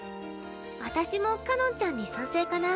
私もかのんちゃんに賛成かな。